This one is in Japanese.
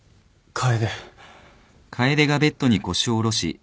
楓。